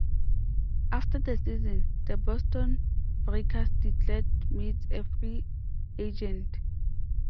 After the season, the Boston Breakers declared Mitts a free agent.